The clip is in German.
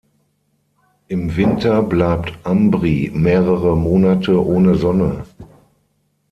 Im Winter bleibt Ambrì mehrere Monate ohne Sonne.